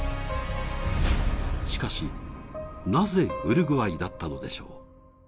しかし、なぜウルグアイだったのでしょう。